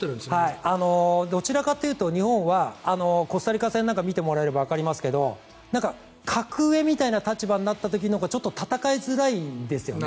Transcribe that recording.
どちらかというと日本はコスタリカ戦なんかを見てもらえればわかりますが格上みたいな立場になった時のほうが戦いづらいんですよね。